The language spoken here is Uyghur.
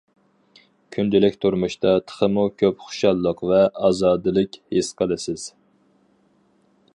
كۈندىلىك تۇرمۇشتا تېخىمۇ كۆپ خۇشاللىق ۋە ئازادىلىك ھېس قىلىسىز.